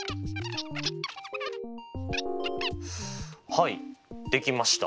はいできました。